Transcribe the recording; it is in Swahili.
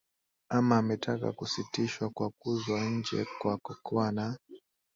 ama ametaka kusitishwa kwa kuzwa nje kwa cocoa na